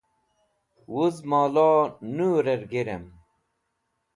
wuz molo nurer g̃hirem